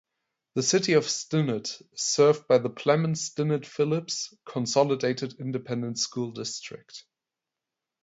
The City of Stinnett is served by the Plemons-Stinnett-Phillips Consolidated Independent School District.